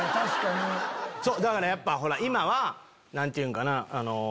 だからやっぱほら今は何て言うんかな。